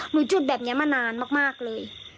จุดแบบนี้มานานมากเลย